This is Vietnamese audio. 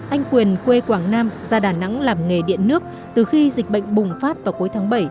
anh quyền quê quảng nam ra đà nẵng làm nghề điện nước từ khi dịch bệnh bùng phát vào cuối tháng bảy